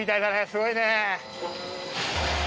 すごいね。